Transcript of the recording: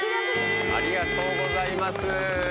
ありがとうございます。